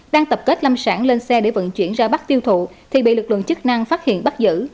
đang tập kết lâm sản lên xe để vận chuyển ra bắc tiêu thụ thì bị lực lượng chức năng phát hiện bắt giữ